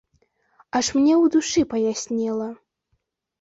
Аж мне ў душы паяснела.